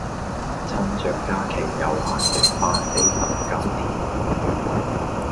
趁著假期悠閒的把四十九天看完